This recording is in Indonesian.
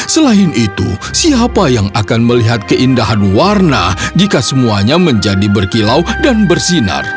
selain itu siapa yang akan melihat keindahan warna jika semuanya menjadi berkilau dan bersinar